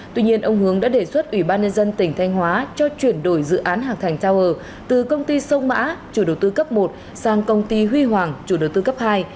tuy nhiên ông hướng đã đề xuất ủy ban nhân dân tỉnh thanh hóa cho chuyển đổi dự án hạc thành tower từ công ty sông mã chủ đầu tư cấp một sang công ty huy hoàng chủ đầu tư cấp hai